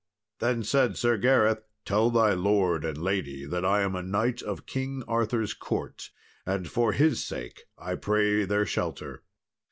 Then said Sir Gareth, "Tell thy lord and lady that I am a knight of King Arthur's court, and for his sake I pray their shelter."